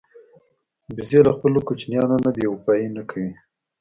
وزې له خپلو کوچنیانو نه بېوفايي نه کوي